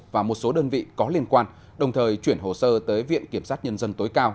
và một số đơn vị có liên quan đồng thời chuyển hồ sơ tới viện kiểm sát nhân dân tối cao